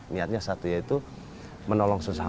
niatnya satu yaitu menolong sesama